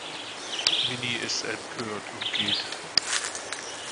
Minnie ist empört und geht.